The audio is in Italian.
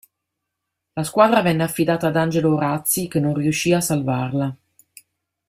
La squadra venne affidata ad Angelo Orazi che non riuscì a salvarla.